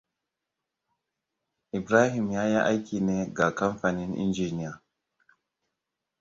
Ibrahim yayi aiki ne ga kamfanin injiniya.